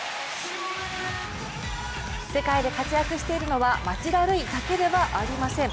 世界で活躍しているのは町田瑠唯だけではありません。